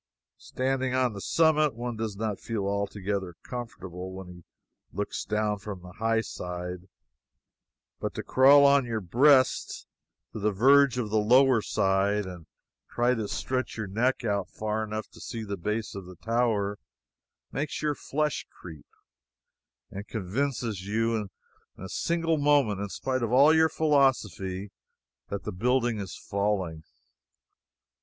Standing on the summit, one does not feel altogether comfortable when he looks down from the high side; but to crawl on your breast to the verge on the lower side and try to stretch your neck out far enough to see the base of the tower, makes your flesh creep, and convinces you for a single moment in spite of all your philosophy, that the building is falling.